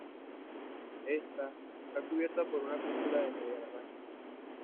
Esta esta cubierta por una cúpula de media naranja.